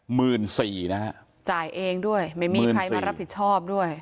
หมื่นสี่นะฮะจ่ายเองด้วยไม่มีใครมารับผิดชอบด้วย